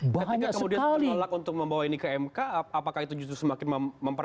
bahaya sekali ketika kemudian terlalu lelak untuk membawa itu ke makam agung maka itu bisa ke petuten artinya bahaya sekali